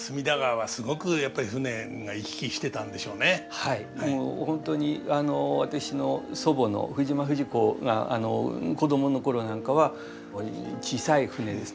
はいもう本当に私の祖母の藤間藤子が子供の頃なんかは小さい船ですね